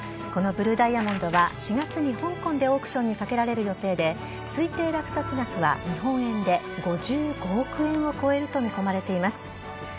このブルーダイヤモンドは４月に香港でオークションにかけられる予定で推定落札額は日本円で５５億円を超えると見込まれています。